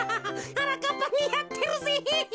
はなかっぱにあってるぜ。